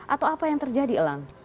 atau apa yang terjadi elang